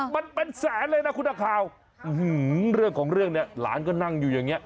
มันเป็นแสนเลยนะคุณนักข่าวเรื่องของเรื่องเนี่ยหลานก็นั่งอยู่อย่างเงี้